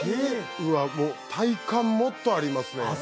うわっもう体感もっとありますねああ